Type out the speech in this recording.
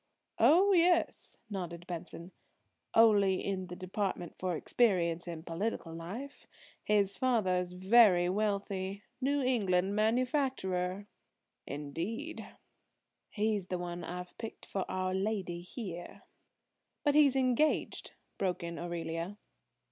"O yes," nodded Benson. "Only in the department for experience in political life. His father's very wealthy. New England manufacturer." "Indeed!" "He's the one I've picked for our lady here." "But he's engaged," broke in Aurelia.